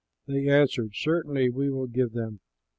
They answered, "Certainly, we will give them."